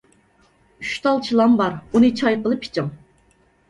ئۈچ تال چىلان بار، ئۇنى چاي قىلىپ ئىچىڭ.